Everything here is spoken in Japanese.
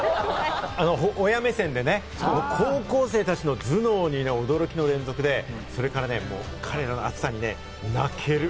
親目線でね、高校生たちの頭脳に驚きの連続で、それから彼らの熱さに泣ける。